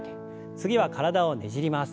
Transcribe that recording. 次は体をねじります。